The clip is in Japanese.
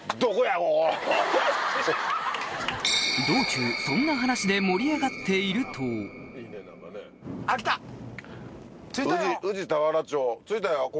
道中そんな話で盛り上がっていると着いたよ！